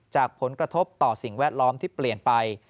จากผลกระทบต่อสิ่งแวดล้อมที่เปลี่ยนไป